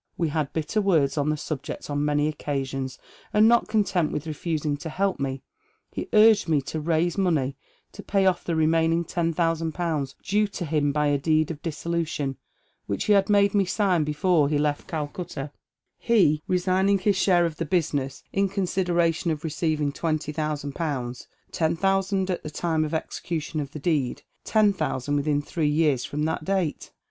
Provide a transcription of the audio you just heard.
We had bitter words on the subject on many occasions ; and not content with refusing to help me, he urged me to raise money to pay off the remaining ten thousand pounds due to him by a deed of dissolution which he had made me sign before he left Calcutta, he resignin^j bis share "A Darh Tale Darkly Finished* 381 of the business in consideration of receiving twenty thousand pounds, ten thousand at the time of the execution of the deed, ten thousand within three years from that date.